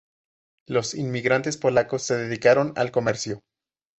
Los inmigrantes polacos se dedicaron al comercio.